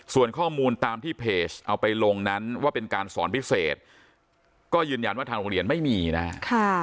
ส่วนข้อมูลตามที่เพจเอาไปลงนั้นว่าเป็นการสอนพิเศษก็ยืนยันว่าทางโรงเรียนไม่มีนะฮะ